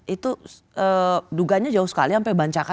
itu dugaannya jauh sekali sampai bancakan